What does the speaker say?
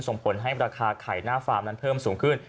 ส่งผลให้ราคาไข่หน้าฟาร์มนั้นเพิ่มสูงขึ้น